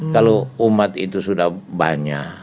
kalau umat itu sudah banyak